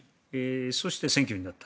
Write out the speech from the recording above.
そして、選挙になった